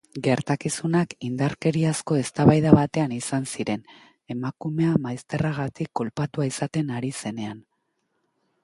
Gertakizunak indarkeriazko eztabaida batean izan ziren, emakumea maizterragatik kolpatua izaten ari zenean.